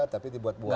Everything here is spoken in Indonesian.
tapi dibuat buat